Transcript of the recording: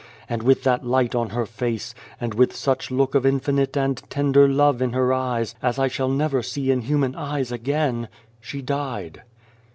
And with that light on her face, and with such look of infinite and tender love in her eyes as I shall never see in human eyes again, she died."